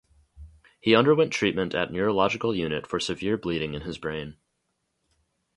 He underwent treatment at Neurological Unit for severe bleeding in his brain.